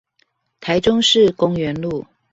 台中市公園路